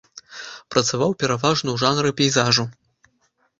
Працаваў пераважна ў жанры пейзажу.